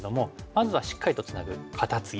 まずはしっかりとツナぐカタツギ。